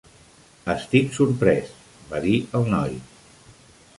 "Estic sorprès", va dir el noi.